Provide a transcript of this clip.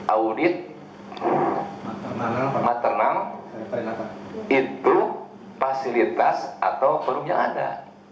audit maternal itu fasilitas atau perum yang ada